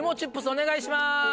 お願いします。